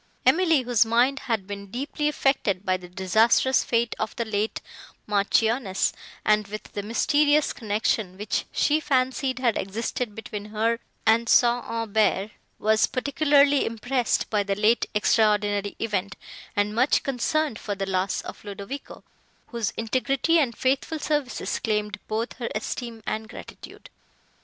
Emily, whose mind had been deeply affected by the disastrous fate of the late Marchioness and with the mysterious connection, which she fancied had existed between her and St. Aubert, was particularly impressed by the late extraordinary event, and much concerned for the loss of Ludovico, whose integrity and faithful services claimed both her esteem and gratitude.